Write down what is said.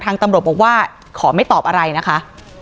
ตำรวจบอกว่าขอไม่ตอบอะไรนะคะ